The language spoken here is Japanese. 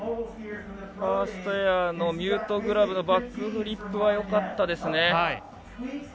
ファーストエアのミュートグラブのバックフリップはよかったですね。